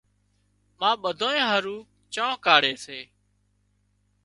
ما ٻڌانئين هارو چانه ڪاڙهي سي